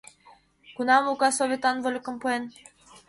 «Кунам Лука Советлан вольыкым пуэн?